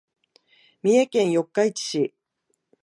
三重県四日市市